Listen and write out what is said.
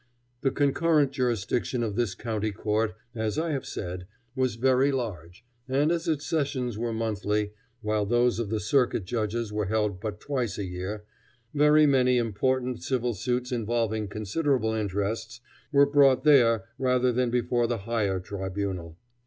The concurrent jurisdiction of this County Court, as I have said, was very large, and as its sessions were monthly, while those of the circuit judges were held but twice a year, very many important civil suits involving considerable interests were brought there rather than before the higher tribunal.